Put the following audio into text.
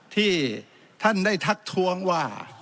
ที่ท่านได้ทักทวงว่า